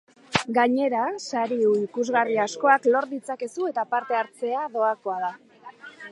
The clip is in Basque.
Gainera sari ikusgarri askoak lor ditzakezu eta parte harztea doakoa da.